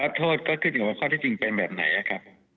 โทษก็ขึ้นอยู่กับว่าข้อที่จริงเป็นแบบไหนครับ